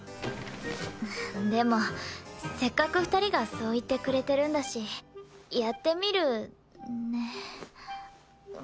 でもせっかく２人がそう言ってくれてるんだしやってみるね。